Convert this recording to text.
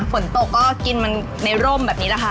ฝนตกกินมันในร่มแบบนี้นะคะ